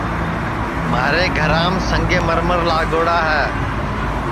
مھارے گھرام سنگے مرمر لاگوڑا ہے